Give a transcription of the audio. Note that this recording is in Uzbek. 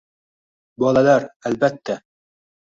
Bolalar: albatta...